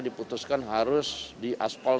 diputuskan harus diaspal